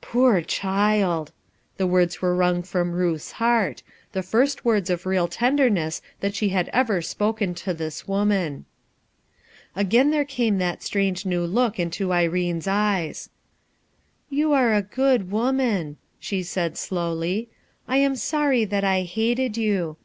"Poor child!" The words were waring from Ruth's heart, — the first words of real tenderness that she had ever spoken to this woman. Again there came that strange new look into Irene's eyes. "You are a good woman," she said slowly. "I A RETROGRADE MOVEMENT am sorry that I hated you.